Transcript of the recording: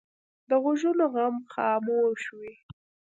د غوږونو غم خاموش وي